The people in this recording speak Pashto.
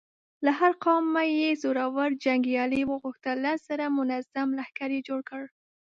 له هر قومه يې زړور جنګيالي وغوښتل، لس زره منظم لښکر يې جوړ کړ.